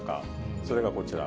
それがこちら。